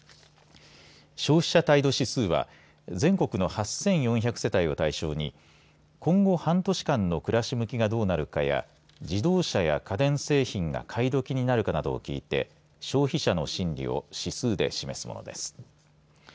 消費者態度指数は全国の８４００世帯を対象に今後半年間の暮らし向きがどうなるかや自動車や家電製品が買い時になるかなどを聞いて消費者の心理を指数で示すものです。